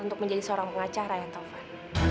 untuk menjadi seorang pengacara yantovan